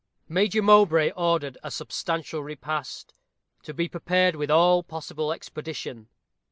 Major Mowbray ordered a substantial repast to be prepared with all possible expedition.